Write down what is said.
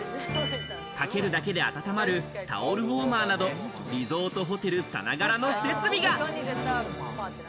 かけるだけで温まるタオルウォーマーなど、リゾートホテルさながらの設備が！